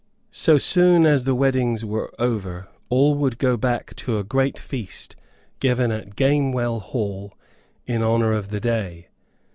So soon as the weddings were over all would go back to a great feast, given at Gamewell Hall, in honor of the day.